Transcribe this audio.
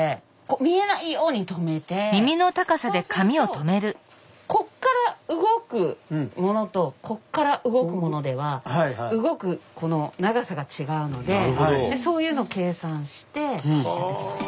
そうするとここから動くものとここから動くものでは動く長さが違うのでそういうのを計算してやっていきます。